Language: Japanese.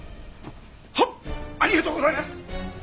はっありがとうございます！